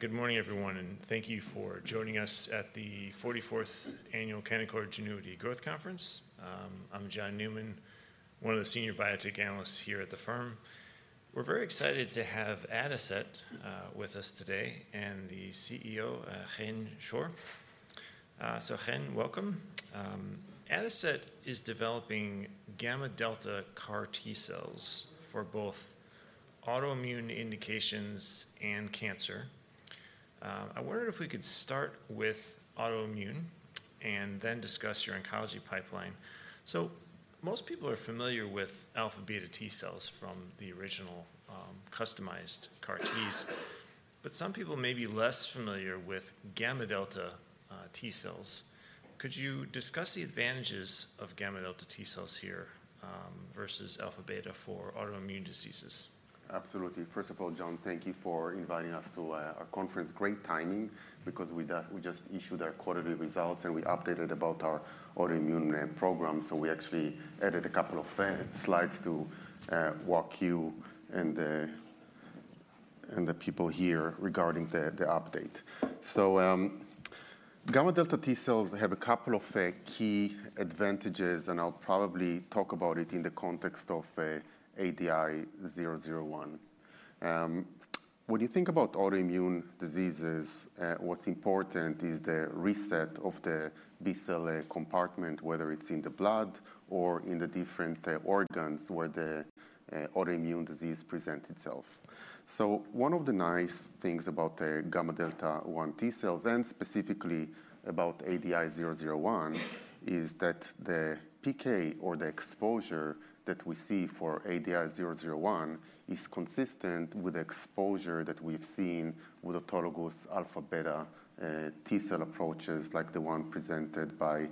Good morning, everyone, and thank you for joining us at the 44th Annual Canaccord Genuity Growth Conference. I'm John Newman, one of the senior biotech analysts here at the firm. We're very excited to have Adicet with us today, and the CEO, Chen Schor. So, Chen, welcome. Adicet is developing gamma delta CAR T cells for both autoimmune indications and cancer. I wondered if we could start with autoimmune and then discuss your oncology pipeline. So most people are familiar with alpha beta T cells from the original customized CAR Ts, but some people may be less familiar with gamma delta T cells. Could you discuss the advantages of gamma delta T cells here versus alpha beta for autoimmune diseases? Absolutely. First of all, John, thank you for inviting us to our conference. Great timing, because we just issued our quarterly results, and we updated about our autoimmune program, so we actually added a couple of slides to walk you and the people here regarding the update. So, gamma delta T cells have a couple of key advantages, and I'll probably talk about it in the context of ADI-001. When you think about autoimmune diseases, what's important is the reset of the B-cell compartment, whether it's in the blood or in the different organs where the autoimmune disease presents itself. So one of the nice things about the gamma delta T cells, and specifically about ADI-001, is that the PK or the exposure that we see for ADI-001 is consistent with the exposure that we've seen with autologous alpha beta T cell approaches, like the one presented by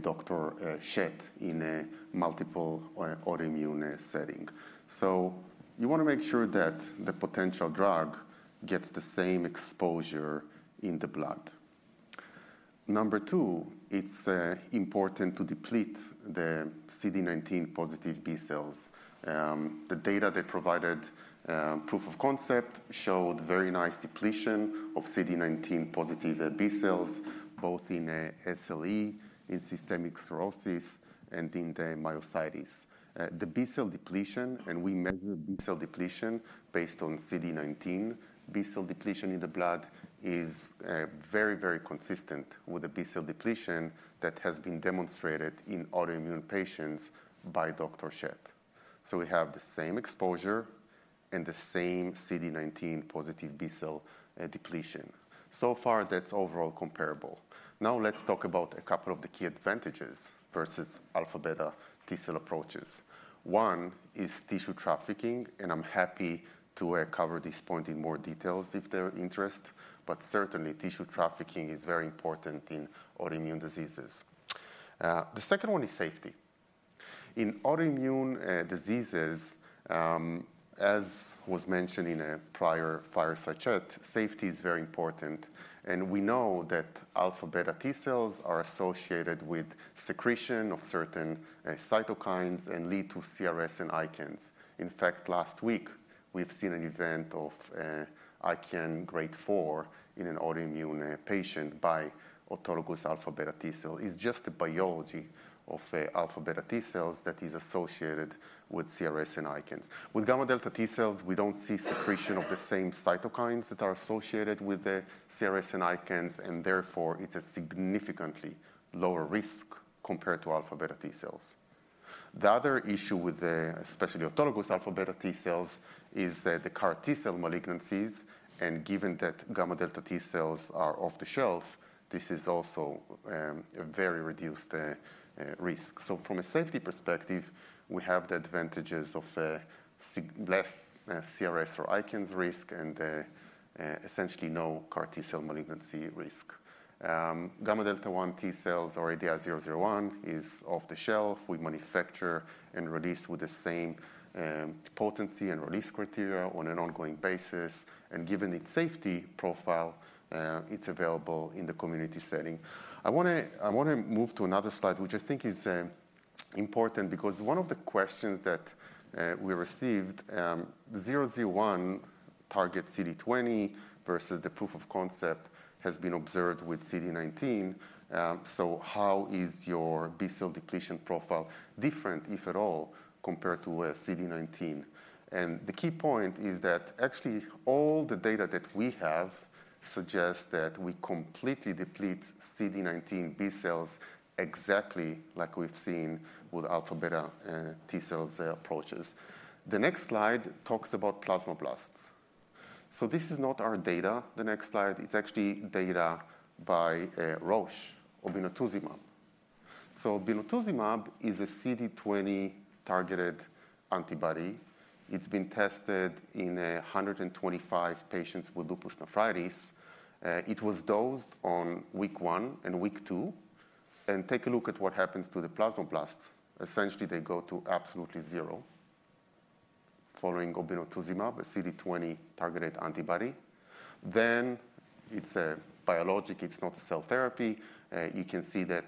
Dr. Schett in a multiple autoimmune setting. So you wanna make sure that the potential drug gets the same exposure in the blood. Number two, it's important to deplete the CD19 positive B cells. The data they provided proof of concept showed very nice depletion of CD19 positive B cells, both in SLE, in systemic sclerosis, and in the myositis. The B-cell depletion, and we measure B-cell depletion based on CD19. B-cell depletion in the blood is very, very consistent with the B-cell depletion that has been demonstrated in autoimmune patients by Dr. Schett. So we have the same exposure and the same CD19 positive B-cell depletion. So far, that's overall comparable. Now, let's talk about a couple of the key advantages versus alpha beta T cell approaches. One is tissue trafficking, and I'm happy to cover this point in more details if there are interest, but certainly, tissue trafficking is very important in autoimmune diseases. The second one is safety. In autoimmune diseases, as was mentioned in a prior fireside chat, safety is very important, and we know that alpha beta T cells are associated with secretion of certain cytokines and lead to CRS and ICANS. In fact, last week, we've seen an event of ICANS Grade 4 in an autoimmune patient by autologous alpha beta T cell. It's just the biology of alpha beta T cells that is associated with CRS and ICANS. With gamma delta T cells, we don't see secretion of the same cytokines that are associated with the CRS and ICANS, and therefore, it's a significantly lower risk compared to alpha beta T cells. The other issue with the, especially autologous alpha beta T cells, is the CAR T cell malignancies, and given that gamma delta T cells are off the shelf, this is also a very reduced risk. So from a safety perspective, we have the advantages of significantly less CRS or ICANS risk and essentially no CAR T cell malignancy risk. Gamma delta T cells or ADI-001 is off-the-shelf. We manufacture and release with the same potency and release criteria on an ongoing basis, and given its safety profile, it's available in the community setting. I wanna move to another slide, which I think is important, because one of the questions that we received: "001 targets CD20 versus the proof of concept has been observed with CD19, so how is your B-cell depletion profile different, if at all, compared to a CD19?" And the key point is that actually, all the data that we have suggests that we completely deplete CD19 B cells exactly like we've seen with alpha beta T cells approaches. The next slide talks about plasmablasts. So this is not our data, the next slide. It's actually data by Roche, Obinutuzumab. So Obinutuzumab is a CD20-targeted antibody. It's been tested in 125 patients with lupus nephritis. It was dosed on week 1 and week 2, and take a look at what happens to the plasmablasts. Essentially, they go to absolutely zero following Obinutuzumab, a CD20-targeted antibody. Then it's a biologic, it's not a cell therapy. You can see that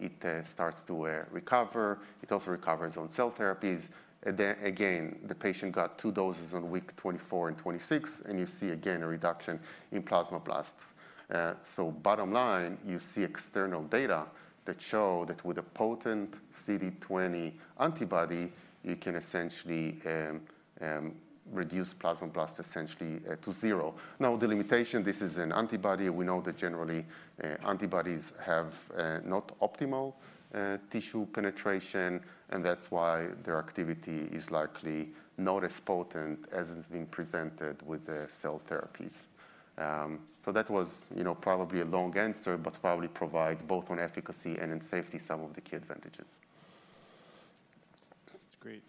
it starts to recover. It also recovers on cell therapies. And then again, the patient got two doses on week 24 and 26, and you see again a reduction in plasmablasts. So bottom line, you see external data that show that with a potent CD20 antibody, you can essentially reduce plasmablast essentially to zero. Now, the limitation, this is an antibody. We know that generally, antibodies have not optimal tissue penetration, and that's why their activity is likely not as potent as is being presented with the cell therapies. So that was, you know, probably a long answer, but probably provide both on efficacy and in safety some of the key advantages. That's great.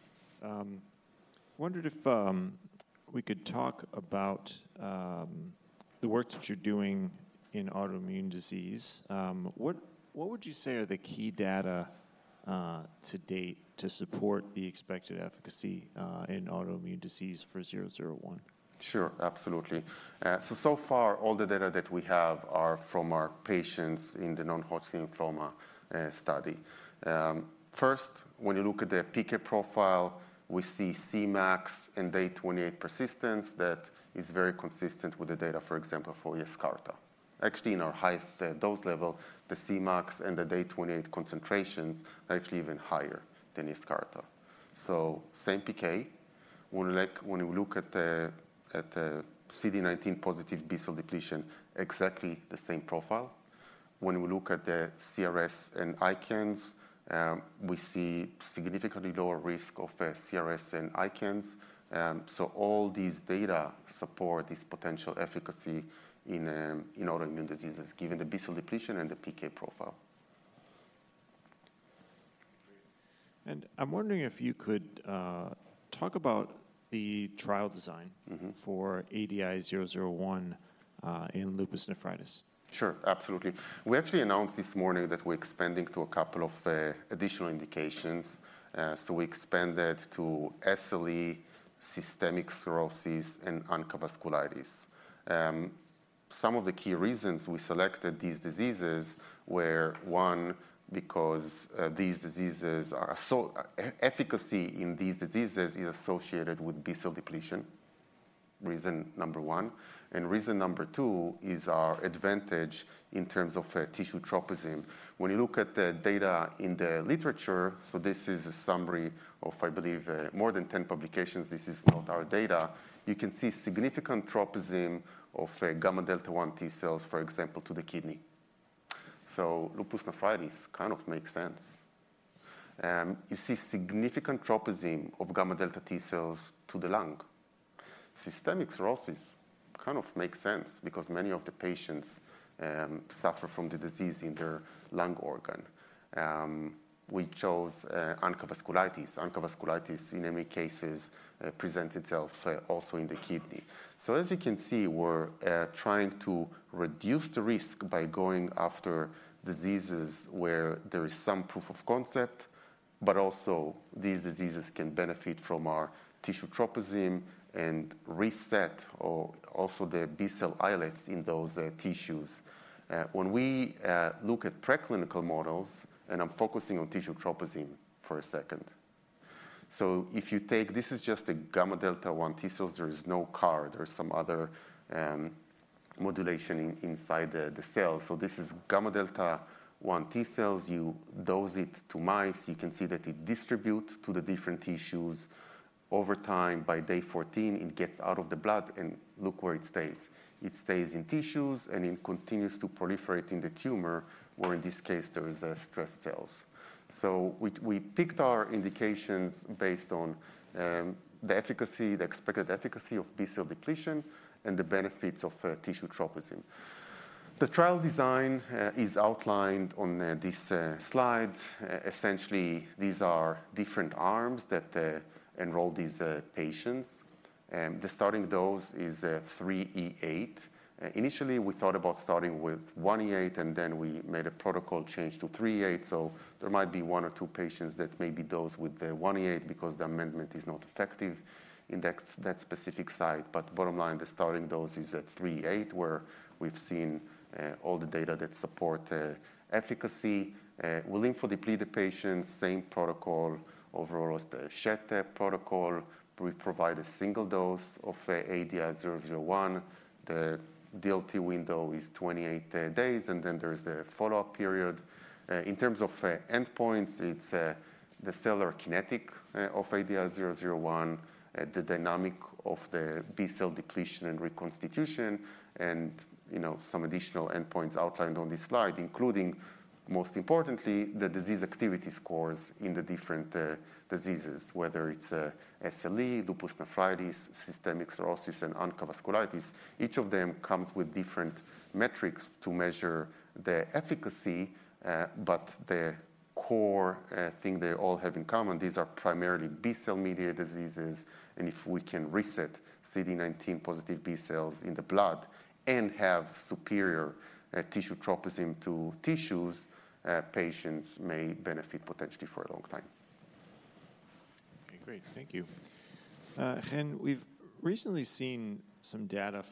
Wondered if we could talk about the work that you're doing in autoimmune disease. What would you say are the key data to date to support the expected efficacy in autoimmune disease for zero zero one? Sure, absolutely. So far, all the data that we have are from our patients in the non-Hodgkin lymphoma study. First, when you look at the PK profile, we see Cmax and day 28 persistence. That is very consistent with the data, for example, for Yescarta. Actually, in our highest dose level, the Cmax and the day 28 concentrations are actually even higher than Yescarta. So same PK. When we look at the CD19 positive B-cell depletion, exactly the same profile. When we look at the CRS and ICANS, we see significantly lower risk of CRS and ICANS. So all these data support this potential efficacy in autoimmune diseases, given the B-cell depletion and the PK profile. I'm wondering if you could talk about the trial design- Mm-hmm. -for ADI-001 in lupus nephritis. Sure, absolutely. We actually announced this morning that we're expanding to a couple of additional indications. So we expanded to SLE, systemic sclerosis, and ANCA vasculitis. Some of the key reasons we selected these diseases were, one, because these diseases are efficacy in these diseases is associated with B-cell depletion, reason number one, and reason number two is our advantage in terms of tissue tropism. When you look at the data in the literature, so this is a summary of, I believe, more than 10 publications. This is not our data. You can see significant tropism of gamma delta T cells, for example, to the kidney. So lupus nephritis kind of makes sense. You see significant tropism of gamma delta T cells to the lung. Systemic sclerosis kind of makes sense because many of the patients suffer from the disease in their lung organ. We chose ANCA vasculitis. ANCA vasculitis, in many cases, presents itself also in the kidney. So as you can see, we're trying to reduce the risk by going after diseases where there is some proof of concept, but also these diseases can benefit from our tissue tropism and reset or also the B-cell islets in those tissues. When we look at preclinical models, and I'm focusing on tissue tropism for a second. So if you take, this is just a gamma delta 1 T cells. There is no CAR or some other modulation inside the cell. So this is gamma delta 1 T cells. You dose it to mice. You can see that it distribute to the different tissues. Over time, by day 14, it gets out of the blood, and look where it stays. It stays in tissues, and it continues to proliferate in the tumor, or in this case, there is stressed cells. So we picked our indications based on the efficacy, the expected efficacy of B-cell depletion and the benefits of tissue tropism. The trial design is outlined on this slide. Essentially, these are different arms that enroll these patients, the starting dose is 3E8. Initially, we thought about starting with 1E8, and then we made a protocol change to 3E8, so there might be 1 or 2 patients that may be dosed with the 1E8 because the amendment is not effective in that specific site. But bottom line, the starting dose is at 3E8, where we've seen all the data that support efficacy. We lymphodeplete the patients, same protocol overall as the Schett protocol. We provide a single dose of ADI-001. The DLT window is 28 days, and then there is the follow-up period. In terms of endpoints, it's the cellular kinetic of ADI-001, the dynamic of the B-cell depletion and reconstitution, and, you know, some additional endpoints outlined on this slide, including, most importantly, the disease activity scores in the different diseases, whether it's SLE, lupus nephritis, systemic sclerosis, and ANCA vasculitis. Each of them comes with different metrics to measure the efficacy, but the core thing they all have in common, these are primarily B-cell-mediated diseases, and if we can reset CD19 positive B-cells in the blood and have superior tissue tropism to tissues, patients may benefit potentially for a long time.... Okay, great. Thank you. Chen, we've recently seen some data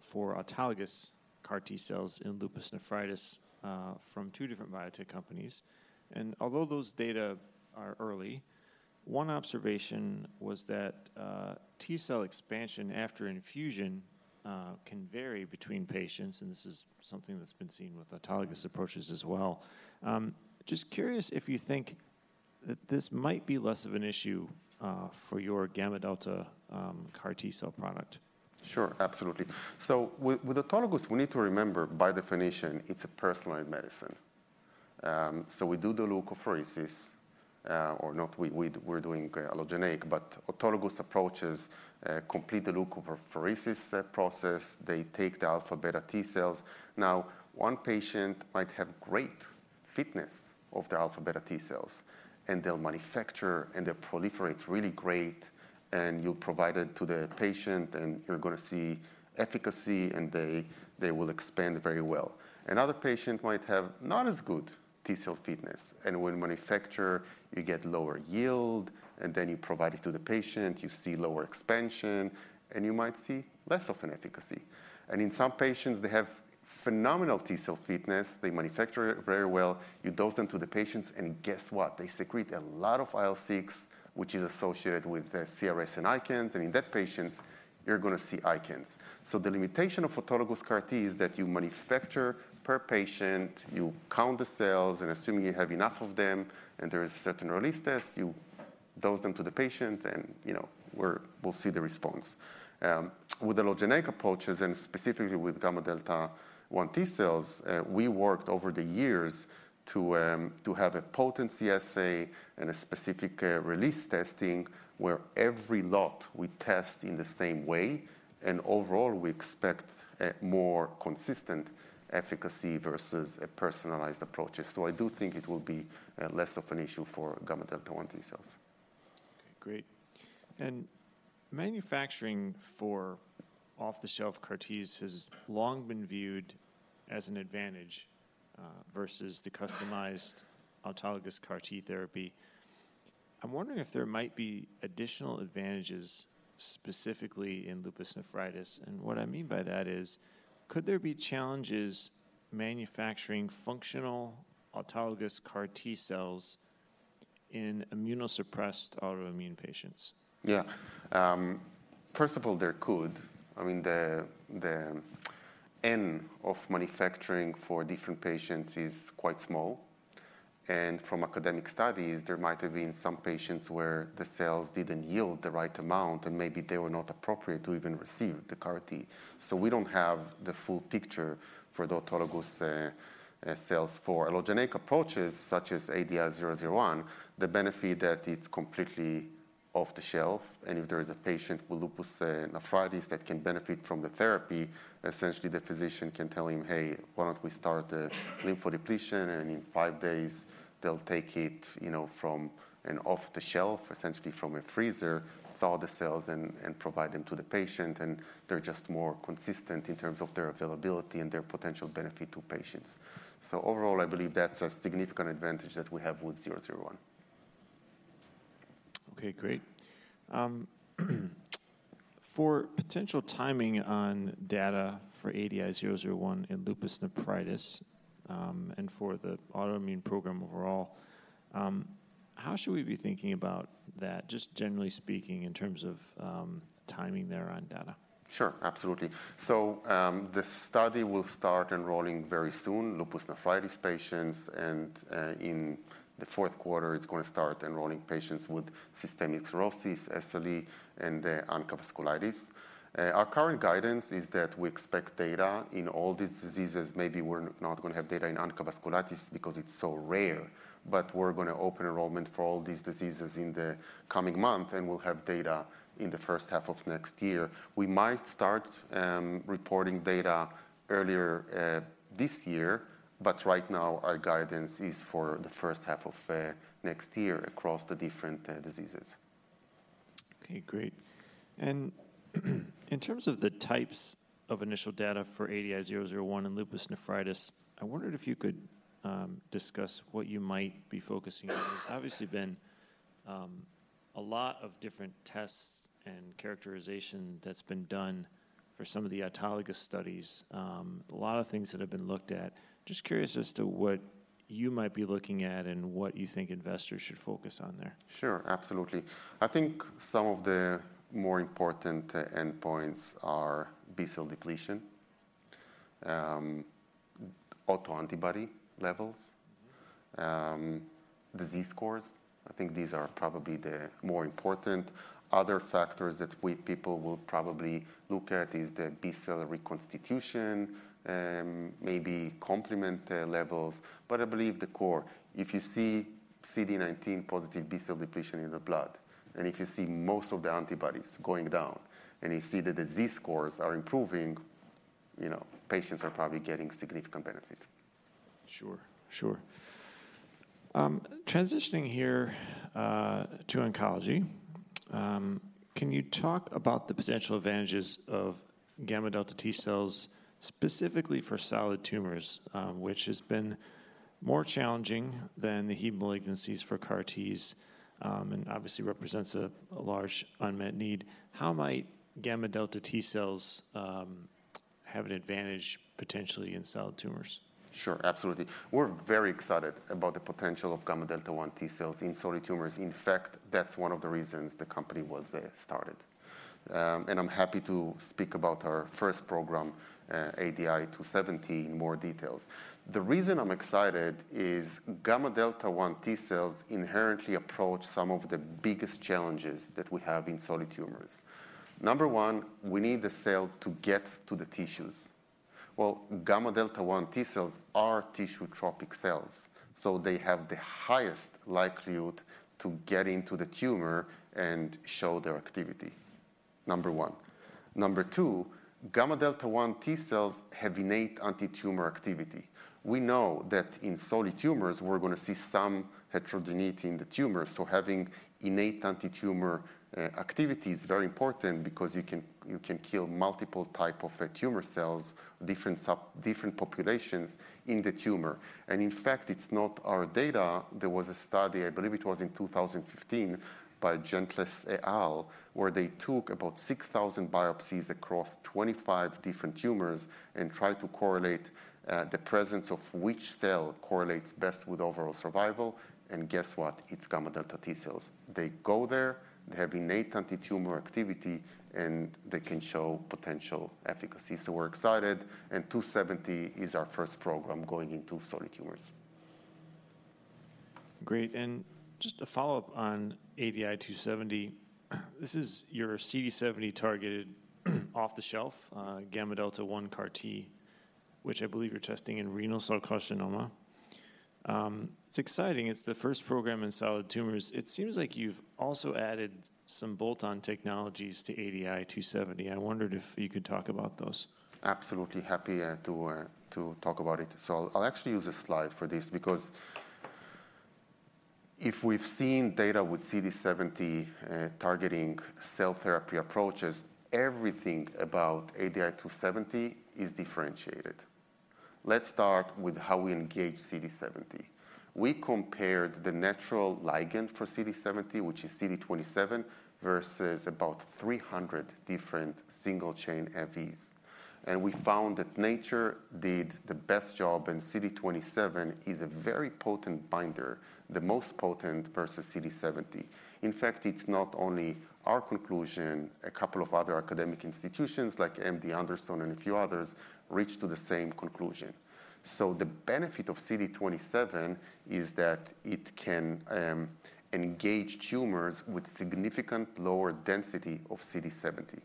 for autologous CAR T cells in lupus nephritis from two different biotech companies. And although those data are early, one observation was that T cell expansion after infusion can vary between patients, and this is something that's been seen with autologous approaches as well. Just curious if you think that this might be less of an issue for your gamma delta CAR T cell product? Sure, absolutely. So with autologous, we need to remember, by definition, it's a personalized medicine. So we do the leukapheresis. We're doing allogeneic, but autologous approaches complete the leukapheresis process. They take the alpha beta T cells. Now, one patient might have great fitness of the alpha beta T cells, and they'll manufacture, and they proliferate really great, and you'll provide it to the patient, and you're gonna see efficacy, and they will expand very well. Another patient might have not as good T cell fitness, and when manufacture, you get lower yield, and then you provide it to the patient, you see lower expansion, and you might see less of an efficacy. And in some patients, they have phenomenal T cell fitness. They manufacture it very well. You dose them to the patients, and guess what? They secrete a lot of IL-6, which is associated with the CRS and ICANS, and in that patients, you're gonna see ICANS. So the limitation of autologous CAR T is that you manufacture per patient, you count the cells, and assuming you have enough of them, and there is a certain release test, you dose them to the patient, and, you know, we'll see the response. With allogeneic approaches and specifically with gamma delta-1 T cells, we worked over the years to have a potency assay and a specific release testing, where every lot we test in the same way, and overall, we expect a more consistent efficacy versus a personalized approach. So I do think it will be less of an issue for gamma delta-1 T cells. Okay, great. And manufacturing for off-the-shelf CAR Ts has long been viewed as an advantage versus the customized autologous CAR T therapy. I'm wondering if there might be additional advantages specifically in lupus nephritis, and what I mean by that is, could there be challenges manufacturing functional autologous CAR T cells in immunosuppressed autoimmune patients? Yeah. First of all, there could. I mean, the n of manufacturing for different patients is quite small, and from academic studies, there might have been some patients where the cells didn't yield the right amount, and maybe they were not appropriate to even receive the CAR T. So we don't have the full picture for the autologous cells. For allogeneic approaches, such as ADI-001, the benefit that it's completely off the shelf, and if there is a patient with lupus nephritis that can benefit from the therapy, essentially the physician can tell him, "Hey, why don't we start the lymphodepletion?" And in five days, they'll take it, you know, from an off the shelf, essentially from a freezer, thaw the cells, and provide them to the patient, and they're just more consistent in terms of their availability and their potential benefit to patients. Overall, I believe that's a significant advantage that we have with 001. Okay, great. For potential timing on data for ADI-001 in lupus nephritis, and for the autoimmune program overall, how should we be thinking about that, just generally speaking, in terms of, timing there on data? Sure, absolutely. So, the study will start enrolling very soon, lupus nephritis patients, and, in the fourth quarter, it's gonna start enrolling patients with systemic sclerosis, SLE, and, ANCA vasculitis. Our current guidance is that we expect data in all these diseases. Maybe we're not gonna have data in ANCA vasculitis because it's so rare, but we're gonna open enrollment for all these diseases in the coming month, and we'll have data in the first half of next year. We might start reporting data earlier this year, but right now, our guidance is for the first half of next year across the different diseases. Okay, great. And in terms of the types of initial data for ADI-001 and lupus nephritis, I wondered if you could discuss what you might be focusing on. There's obviously been a lot of different tests and characterization that's been done for some of the autologous studies. A lot of things that have been looked at. Just curious as to what you might be looking at and what you think investors should focus on there. Sure, absolutely. I think some of the more important endpoints are B-cell depletion, autoantibody levels- Mm-hmm... disease scores. I think these are probably the more important. Other factors that people will probably look at is the B-cell reconstitution, maybe complement levels, but I believe the core, if you see CD19 positive B-cell depletion in the blood, and if you see most of the antibodies going down, and you see the disease scores are improving, you know, patients are probably getting significant benefit. Sure, sure. Transitioning here to oncology, can you talk about the potential advantages of gamma delta T cells, specifically for solid tumors, which has been more challenging than the heme malignancies for CAR Ts, and obviously represents a large unmet need. How might gamma delta T cells have an advantage potentially in solid tumors? Sure, absolutely. We're very excited about the potential of gamma delta one T cells in solid tumors. In fact, that's one of the reasons the company was started. And I'm happy to speak about our first program, ADI-270, in more details. The reason I'm excited is gamma delta one T cells inherently approach some of the biggest challenges that we have in solid tumors. Number one, we need the cell to get to the tissues. Well, gamma delta one T cells are tissue tropic cells, so they have the highest likelihood to get into the tumor and show their activity, number one. Number two, gamma delta one T cells have innate anti-tumor activity. We know that in solid tumors, we're gonna see some heterogeneity in the tumor, so having innate anti-tumor activity is very important because you can, you can kill multiple type of tumor cells, different populations in the tumor. And in fact, it's not our data. There was a study, I believe it was in 2015, by Gentles et al., where they took about 6,000 biopsies across 25 different tumors and tried to correlate the presence of which cell correlates best with overall survival. And guess what? It's gamma delta T cells. They go there, they have innate anti-tumor activity, and they can show potential efficacy. So we're excited, and 270 is our first program going into solid tumors. Great, and just a follow-up on ADI-270. This is your CD70 targeted off-the-shelf gamma delta one CAR T, which I believe you're testing in renal cell carcinoma. It's exciting. It's the first program in solid tumors. It seems like you've also added some bolt-on technologies to ADI-270. I wondered if you could talk about those. Absolutely. Happy to talk about it. So I'll actually use a slide for this, because if we've seen data with CD70 targeting cell therapy approaches, everything about ADI-270 is differentiated. Let's start with how we engage CD70. We compared the natural ligand for CD70, which is CD27, versus about 300 different single-chain Fvs. And we found that nature did the best job, and CD27 is a very potent binder, the most potent versus CD70. In fact, it's not only our conclusion. A couple of other academic institutions, like MD Anderson and a few others, reached to the same conclusion. So the benefit of CD27 is that it can engage tumors with significant lower density of CD70.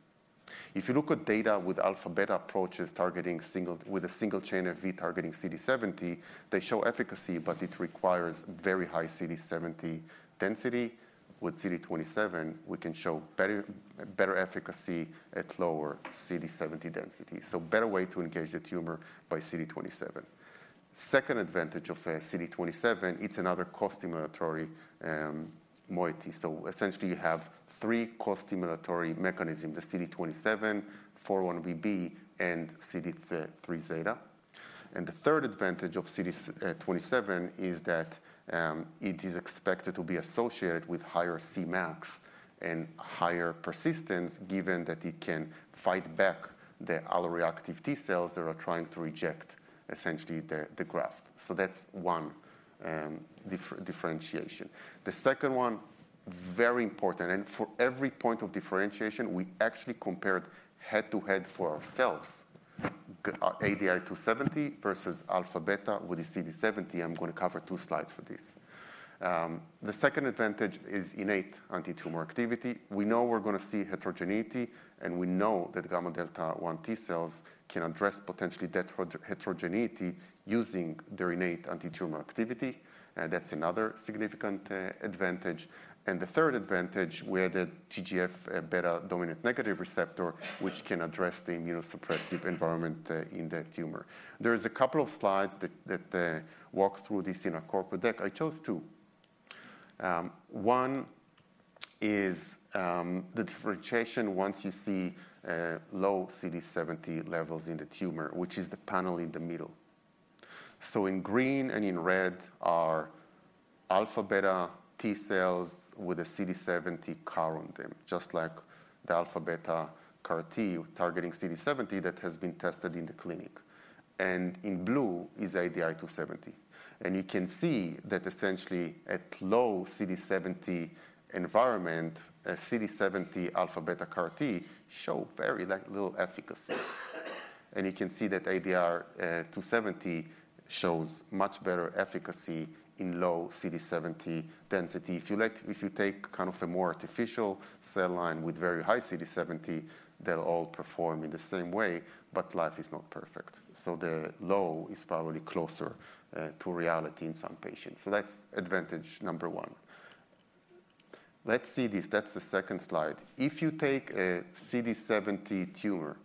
If you look at data with alpha beta approaches, targeting with a single chain Fv targeting CD70, they show efficacy, but it requires very high CD70 density. With CD27, we can show better, better efficacy at lower CD70 density, so better way to engage the tumor by CD27. Second advantage of CD27, it's another costimulatory moiety. So essentially, you have three costimulatory mechanism: the CD27, 4-1BB, and CD3 zeta. And the third advantage of CD27 is that it is expected to be associated with higher Cmax and higher persistence, given that it can fight back the alloreactive T cells that are trying to reject, essentially, the graft. So that's one differentiation. The second one, very important, and for every point of differentiation, we actually compared head-to-head for ourselves, ADI-270 versus alpha beta with the CD70. I'm gonna cover two slides for this. The second advantage is innate anti-tumor activity. We know we're gonna see heterogeneity, and we know that gamma delta T cells can address potentially that heterogeneity using their innate anti-tumor activity, and that's another significant advantage. The third advantage, we have the TGF-beta dominant negative receptor, which can address the immunosuppressive environment in the tumor. There is a couple of slides that walk through this in our corporate deck. I chose two. One is the differentiation once you see low CD70 levels in the tumor, which is the panel in the middle. So in green and in red are alpha beta T cells with a CD70 CAR on them, just like the alpha beta CAR T targeting CD70 that has been tested in the clinic, and in blue is ADI-270. You can see that essentially at low CD70 environment, a CD70 alpha beta CAR T shows very little efficacy. You can see that ADI-270 shows much better efficacy in low CD70 density. If you like—if you take kind of a more artificial cell line with very high CD70, they'll all perform in the same way, but life is not perfect, so the low is probably closer to reality in some patients. So that's advantage number one. Let's see this. That's the second slide. If you take a CD70 tumor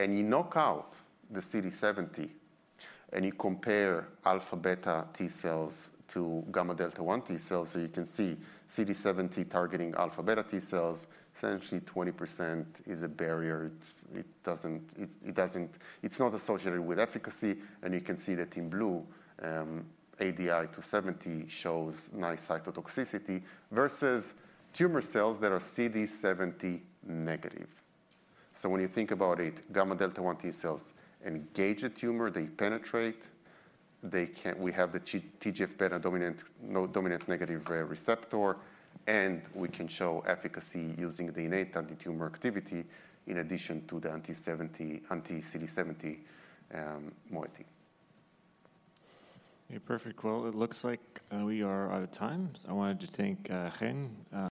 and you knock out the CD70, and you compare alpha beta T cells to gamma delta T cells, so you can see CD70 targeting alpha beta T cells, essentially 20% is a barrier. It's not associated with efficacy, and you can see that in blue, ADI-270 shows nice cytotoxicity versus tumor cells that are CD70 negative. So when you think about it, gamma delta T cells engage the tumor, they penetrate, they can... We have the TGF-beta dominant negative receptor, and we can show efficacy using the innate anti-tumor activity in addition to the anti-CD70 moiety. Hey, perfect. Well, it looks like we are out of time. So I wanted to thank Chen.